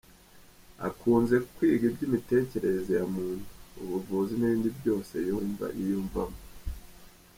Akunze kwiga iby’imitekerereze ya muntu, ubuvuzi n’ibindi byose yumva yiyumvamo.